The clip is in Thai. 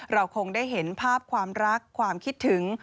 เราคงได้เห็นภาพความรักความคิดถึง